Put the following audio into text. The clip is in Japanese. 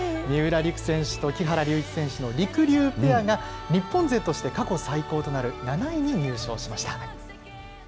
三浦璃来選手と木原龍一選手のりくりゅうペアが日本勢として過去最高となる７位に入賞しました。